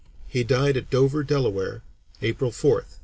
He died at Dover, Delaware, April 4, 1895.